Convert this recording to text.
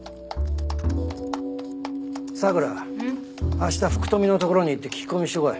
明日福富のところに行って聞き込みしてこい。